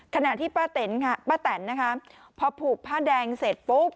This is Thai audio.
ขณะที่ป้าแต๋นพอผูกผ้าแดงเสร็จปุ๊บ